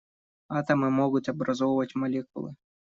Атомы могут образовывать молекулы.